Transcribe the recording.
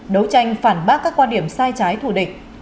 đấu tranh phản bác các quan điểm sai trái thù địch